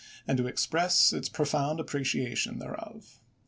and to express its profound appreciation thereof."